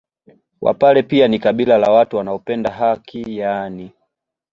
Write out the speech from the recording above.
Wapare pia ni kabila la watu wanaopenda haki yaani